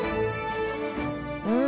うん！